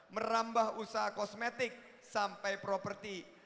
merambah usaha kosmetik sampai properti